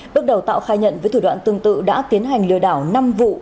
bước đầu tạo khai nhận với thủ đoạn tương tự đã tiến hành lừa đảo năm vụ